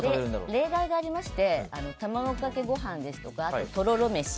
例外がありまして卵かけご飯ですとか、とろろ飯